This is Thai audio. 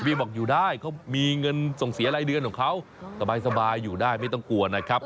บอกอยู่ได้เขามีเงินส่งเสียรายเดือนของเขาสบายอยู่ได้ไม่ต้องกลัวนะครับ